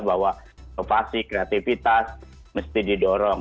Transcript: bahwa inovasi kreativitas mesti didorong